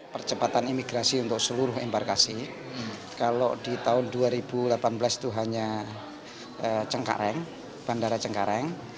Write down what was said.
percepatan imigrasi untuk seluruh embarkasi kalau di tahun dua ribu delapan belas itu hanya cengkareng bandara cengkareng